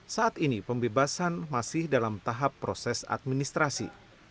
saat ini pembebasan masih dalam tahap proses administrasi